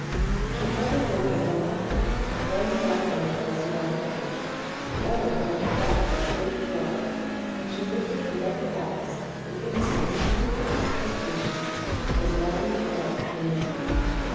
She held a book in her lap; one white hand rested on the page, the other brushed back a truant curl; and she lifted her lovely eyes in innocent, pleased expectation, as Mattie and Earle drew near.